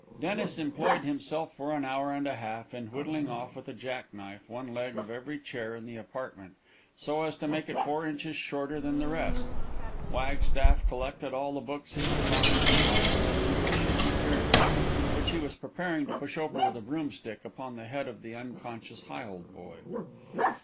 Dennis employed himself for an hour and a half in whittling off with a jack knife one leg of every chair in the apartment, so as to make it four inches shorter than the rest. Wagstaff collected all the books he could find, and piled them into a shaky pyramid, which he was preparing to push over with a broomstick upon the head of the unconscious Higholdboy.